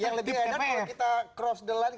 yang lebih enak kalau kita cross the line